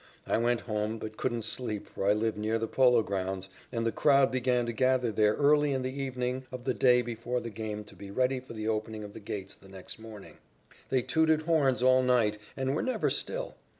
I went home, but couldn't sleep for I live near the Polo Grounds, and the crowd began to gather there early in the evening of the day before the game to be ready for the opening of the gates the next morning. They tooted horns all night, and were never still.